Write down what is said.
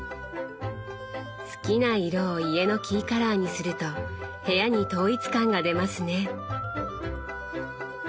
好きな色を家のキーカラーにすると部屋に統一感が出ますね。